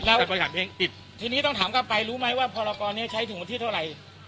แล้วที่นีที่ต้องถามกลับไปพอละกว่านี้ใช้ถึงที่เท่าไหร่